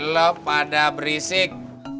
lo pada berisik